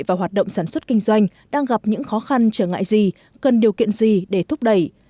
và hoạt động sản xuất kinh doanh đang gặp những khó khăn trở ngại gì cần điều kiện gì để thúc đẩy